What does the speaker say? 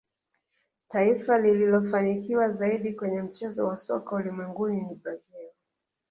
taifa lililofanikiwa zaidi kwenye mchezo wa soka ulimwenguni ni brazil